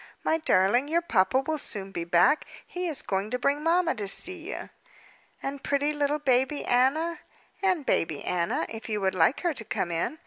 "My darling, your papa will soon be back. He is going to bring mamma to see you." "And pretty little baby Anna?" "And baby Anna, if you would like her to come in.